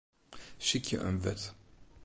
Sykje in wurd.